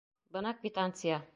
Бына квитанция.